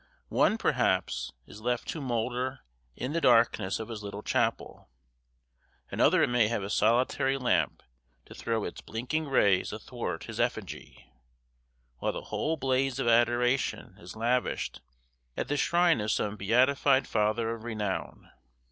One, perhaps, is left to moulder in the darkness of his little chapel; another may have a solitary lamp to throw its blinking rays athwart his effigy; while the whole blaze of adoration is lavished at the shrine of some beatified father of renown.